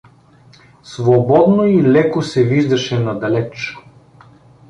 Свободно и леко се виждаше надалеч.